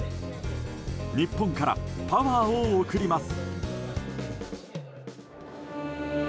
日本からパワーを送ります。